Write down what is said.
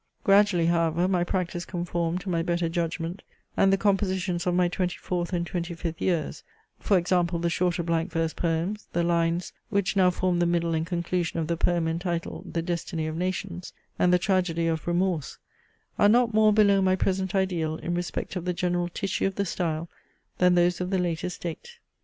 Gradually, however, my practice conformed to my better judgment; and the compositions of my twenty fourth and twenty fifth years (for example, the shorter blank verse poems, the lines, which now form the middle and conclusion of the poem entitled the Destiny of Nations, and the tragedy of Remorse) are not more below my present ideal in respect of the general tissue of the style than those of the latest date.